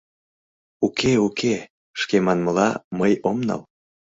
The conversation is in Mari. — Уке-уке, шке манмыла, мый ом нал.